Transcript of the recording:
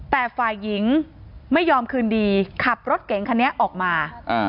แต่ฝ่ายหญิงไม่ยอมคืนดีขับรถเก๋งคันนี้ออกมา